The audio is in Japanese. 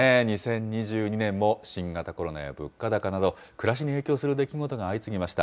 ２０２２年も新型コロナや物価高など、暮らしに影響する出来事が相次ぎました。